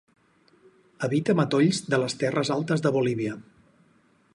Habita matolls de les terres altes de Bolívia.